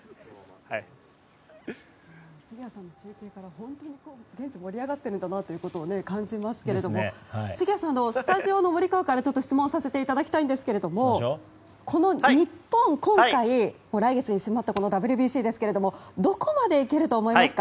杉谷さんの中継から現地が本当に盛り上がってるんだなというのを感じますが杉谷さん、スタジオの森川から質問をさせていただきたいんですがこの日本、今回来月に迫ったＷＢＣですけれどもどこまで行けると思いますか？